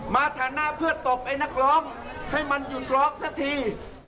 ฐานะเพื่อตบไอ้นักร้องให้มันหยุดร้องสักที